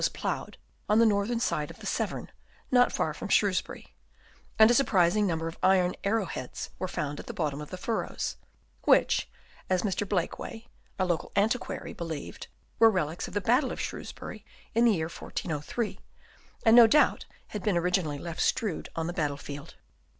179 was ploughed on the northern side of the Severn, not far from Shrewsbury ; and a surprising number of iron arrow heads were found at the bottom of the furrows, which, as Mr. Blakeway, a local antiquary, believed, were relics of the battle of Shrewsbury in the year 1403, and no doubt had been originally left strewed on the battle field.